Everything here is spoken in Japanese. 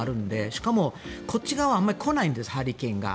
しかも、こっち側はあまり来ないんですハリケーンが。